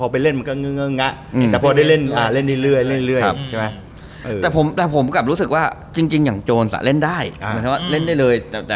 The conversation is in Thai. พอไปเล่นมันก็เงื่องเงาะ